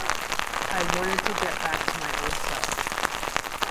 I wanted to get back to my old self.